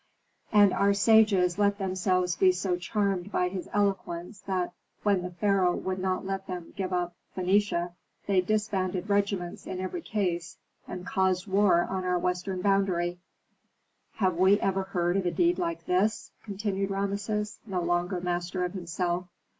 And our sages let themselves be so charmed by his eloquence, that, when the pharaoh would not let them give up Phœnicia, they disbanded regiments in every case, and caused war on our western boundary. Have we ever heard of a deed like this?" continued Rameses, no longer master of himself.